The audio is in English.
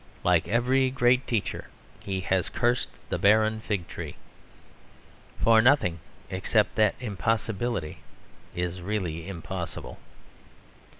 Like every great teacher, he has cursed the barren fig tree. For nothing except that impossibility is really impossible.